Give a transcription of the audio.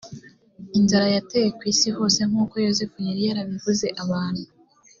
inzara yateye ku isi hose nk uko yozefu yari yarabivuze abantu